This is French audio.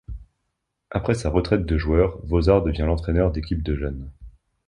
Après sa retraite de joueur, Vozar devient l'entraîneur d'équipe de jeunes.